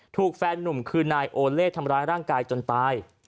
ถูกแฟนนุ่มคือนายโอเล่ทำร้ายร่างกายจนตาย